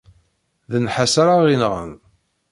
D nnḥas ara ɣ-inɣen.